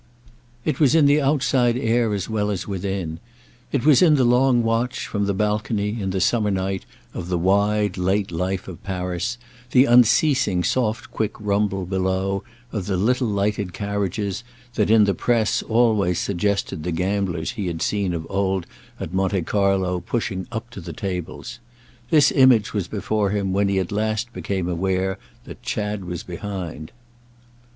It was in the outside air as well as within; it was in the long watch, from the balcony, in the summer night, of the wide late life of Paris, the unceasing soft quick rumble, below, of the little lighted carriages that, in the press, always suggested the gamblers he had seen of old at Monte Carlo pushing up to the tables. This image was before him when he at last became aware that Chad was behind.